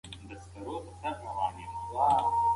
جګړه د احساساتي غبرګون په توګه پیل کېږي.